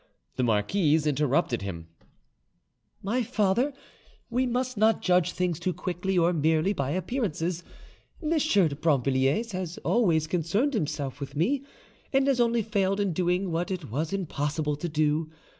The marquise interrupted him: "My father, we must not judge things too quickly or merely by appearances. M. de Brinvilliers has always concerned himself with me, and has only failed in doing what it was impossible to do.